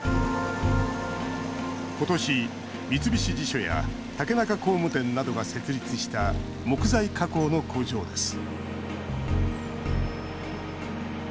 今年、三菱地所や竹中工務店などが設立した木材加工の工場です。